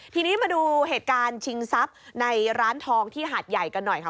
ทีนี้มาดูเหตุการณ์ชิงทรัพย์ในร้านทองที่หาดใหญ่กันหน่อยค่ะ